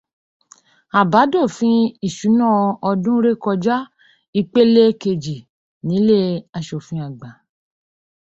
Àbádòfin ìṣúná ọdún ré kọjá ìpele ìkejì nílé aṣòfin àgbà.